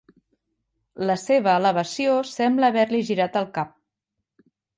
La seva elevació sembla haver-li girat el cap.